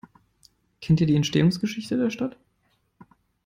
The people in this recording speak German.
Kennt ihr die Entstehungsgeschichte der Stadt?